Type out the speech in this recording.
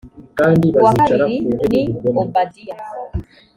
uwa kabiri ni obadiya